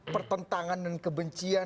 pertentangan dan kebencian